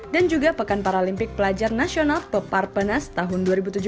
dan juga pekan paralympic pelajar nasional peparpenas tahun dua ribu tujuh belas